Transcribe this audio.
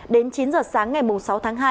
đến chín h sáng ngày sáu tháng hai